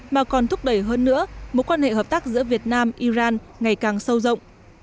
mà còn thúc đẩy hơn nữa mối quan hệ hợp tác giữa việt nam iran ngày càng sâu rộng